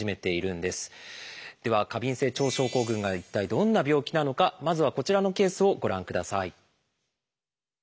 では過敏性腸症候群が一体どんな病気なのかまずはこちらのケースをご覧ください。